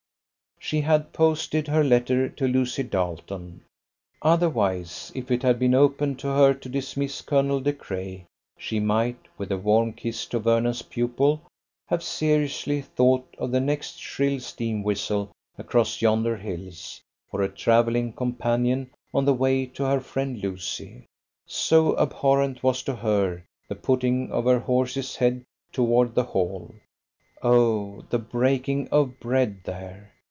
She had posted her letter to Lucy Darleton. Otherwise, if it had been open to her to dismiss Colonel De Craye, she might, with a warm kiss to Vernon's pupil, have seriously thought of the next shrill steam whistle across yonder hills for a travelling companion on the way to her friend Lucy; so abhorrent was to her the putting of her horse's head toward the Hall. Oh, the breaking of bread there!